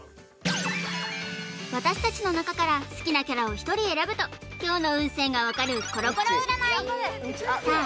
私達の中から好きなキャラを１人選ぶと今日の運勢がわかるコロコロ占いさあ